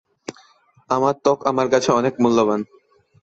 আমার ত্বক আমার কাছে অনেক মূল্যবান।